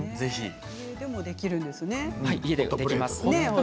家でもできるんですね。